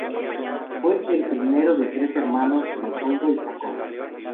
Fue el primero de tres hermanos, Leopoldo y Jacobo.